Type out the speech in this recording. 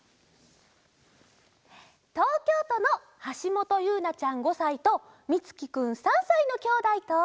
とうきょうとのはしもとゆうなちゃん５さいとみつきくん３さいのきょうだいと。